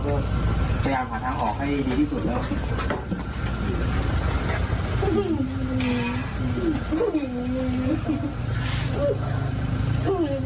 ก็พยายามหาทางออกให้ดีที่สุดแล้ว